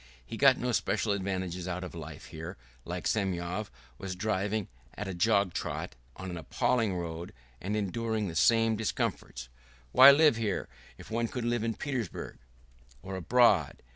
He got no special advantages out of life, and here, like Semyon, was driving at a jog trot on an appalling road and enduring the same discomforts. Why live here if one could live in Petersburg or abroad?